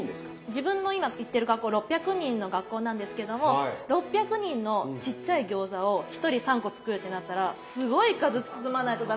自分の今行ってる学校６００人の学校なんですけども６００人のちっちゃい餃子を１人３個作るってなったらすごい数包まないと駄目じゃないですか。